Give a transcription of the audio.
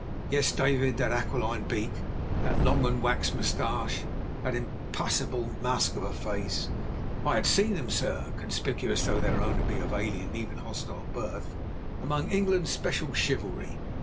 Yes, David, that aquiline beak, that long and waxed moustache, that impassible mask of a face, I had seen them, Sir, conspicuous (though their owner be of alien and even hostile birth) among England's special chivalry.